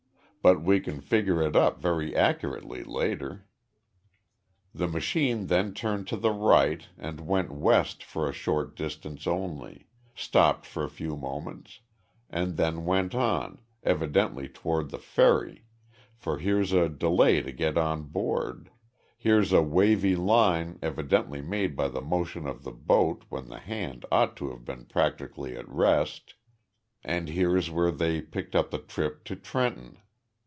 But we can figure it up very accurately later. The machine then turned to the right and went west for a short distance only stopped for a few moments and then went on, evidently toward the ferry, for here's a delay to get on board, here's a wavy line evidently made by the motion of the boat when the hand ought to have been practically at rest, and here's where they picked up the trip to Trenton.